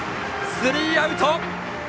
スリーアウト！